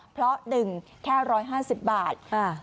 เพราะหนึ่งแค่๑๕๐บาท